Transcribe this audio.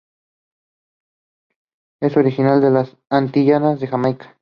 Es originaria de las Antillas en Jamaica.